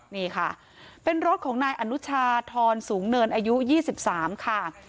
นี่ค่ะเป็นรถของนายอนุชาทรสูงเนินอายุ๒๓ค่ะ